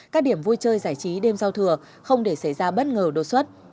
các điểm vui chơi giải trí đêm giao thừa không để xảy ra bất ngờ đột xuất